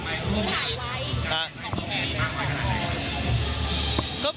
มีผ่านไว้